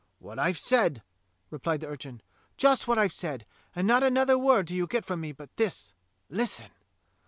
"What I've said," replied the urchin, "just what I've said, and not another word do you get from me but this : listen!